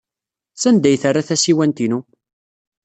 Sanda ay terra tasiwant-inu?